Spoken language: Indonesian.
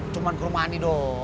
cuman ke rumah ani dong